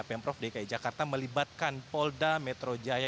pemprov dki jakarta melibatkan polda metro jaya